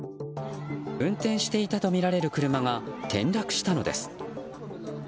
運転していたとみられる車が転落したのです。